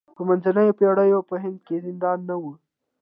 د منځنیو پېړیو په هند کې زندان نه و.